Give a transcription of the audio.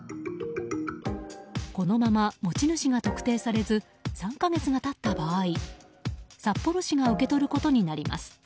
このまま持ち主が特定されず３か月が経った場合札幌市が受け取ることになります。